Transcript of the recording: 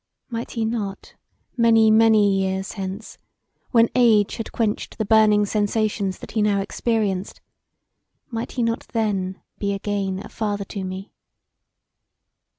Might he not many, many years hence, when age had quenched the burning sensations that he now experienced, might he not then be again a father to me?